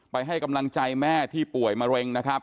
ให้กำลังใจแม่ที่ป่วยมะเร็งนะครับ